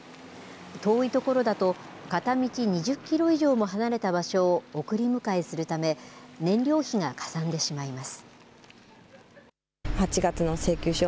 遠い所だと、片道２０キロ以上も離れた場所を送り迎えするため、燃料費がかさんでしまいます。